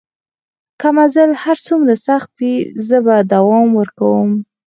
که مزل هر څومره سخت وي زه به دوام ورکوم.